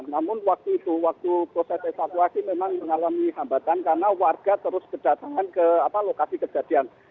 namun waktu itu waktu proses evakuasi memang mengalami hambatan karena warga terus berdatangan ke lokasi kejadian